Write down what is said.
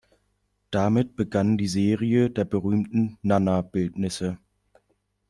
Damit begann die Serie der berühmten Nanna-Bildnisse.